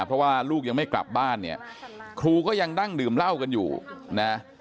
เพราะว่าลูกยังไม่กลับบ้านเนี่ยครูก็ยังนั่งดื่มเหล้ากันอยู่นะ